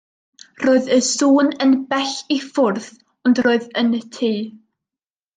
Roedd y sŵn yn bell i ffwrdd, ond roedd yn y tŷ.